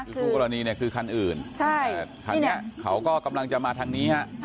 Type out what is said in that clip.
คือคู่กรณีเนี่ยคือคันอื่นคันนี้เขาก็กำลังจะมาทางนี้ฮะ